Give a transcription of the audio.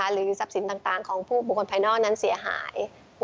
หรือทรัพย์สินต่างของผู้บุคคลภายนอกนั้นเสียหาย